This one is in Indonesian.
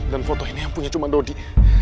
dan foto ini yang punya cuma dodi